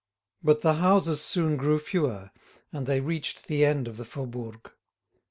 But the houses soon grew fewer, and they reached the end of the Faubourg.